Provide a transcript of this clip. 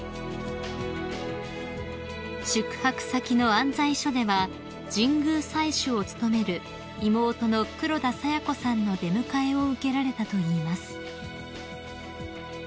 ［宿泊先の行在所では神宮祭主を務める妹の黒田清子さんの出迎えを受けられたといいます］